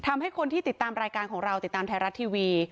ทำให้คนที่ติดตามรายการของเราติดตามไทยรัฐทีวี